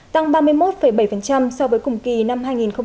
tăng ba mươi một bảy so với cùng kỳ năm hai nghìn một mươi tám